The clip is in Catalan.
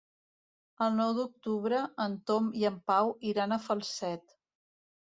El nou d'octubre en Tom i en Pau iran a Falset.